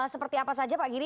seperti apa saja pak giri